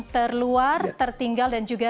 terluar tertinggal dan juga